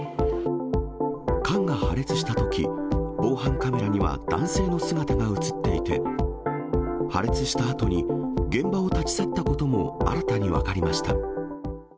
缶が破裂したとき、防犯カメラには男性の姿が写っていて、破裂したあとに、現場を立ち去ったことも新たに分かりました。